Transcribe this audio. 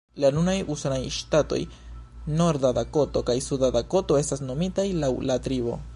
La nunaj usonaj ŝtatoj Norda Dakoto kaj Suda Dakoto estas nomitaj laŭ la tribo.